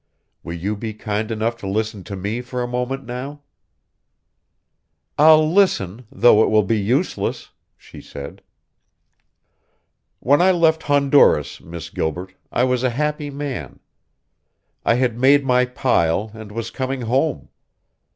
Will you be kind enough to listen to me for a moment now?" "I'll listen, though it will be useless," she said. "When I left Honduras, Miss Gilbert, I was a happy man. I had made my pile and was coming home.